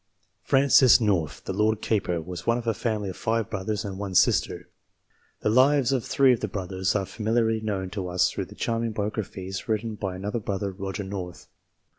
Francis North, the Lord Keeper, was one of a family of five brothers and one sister. The lives of three of the brothers are familiarly known to us through the charming biographies written by another brother, Roger North.